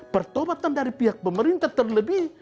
pertobatan dari pihak pemerintah terlebih